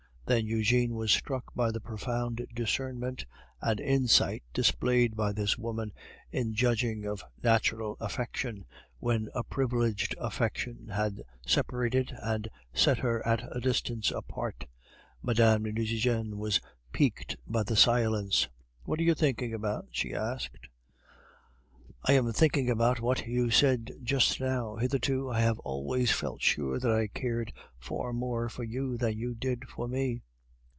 Then Eugene was struck by the profound discernment and insight displayed by this woman in judging of natural affection, when a privileged affection had separated and set her at a distance apart. Mme. de Nucingen was piqued by the silence, "What are you thinking about?" she asked. "I am thinking about what you said just now. Hitherto I have always felt sure that I cared far more for you than you did for me."